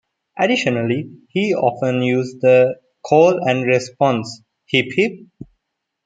Additionally, he often used the call and response, Hip hip?